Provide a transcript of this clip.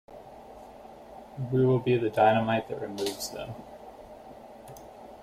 We will be the dynamite that removes them.